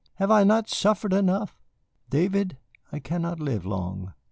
Have I not suffered enough? David, I cannot live long.